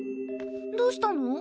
どうしたの？